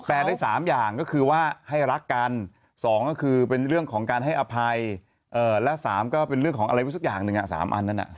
ได้๓อย่างก็คือว่าให้รักกัน๒ก็คือเป็นเรื่องของการให้อภัยและ๓ก็เป็นเรื่องของอะไรสักอย่างหนึ่ง๓อันนั้น